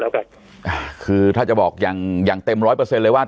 แล้วกันอ่าคือถ้าจะบอกอย่างอย่างเต็มร้อยเปอร์เซ็นต์เลยว่า